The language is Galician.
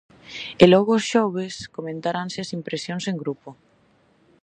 E logo os xoves comentaranse as impresións en grupo.